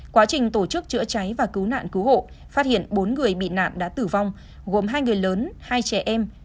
quá trình tổ chức chữa cháy và cứu nạn cứu hộ phát hiện bốn người bị nạn đã tử vong gồm hai người lớn hai trẻ em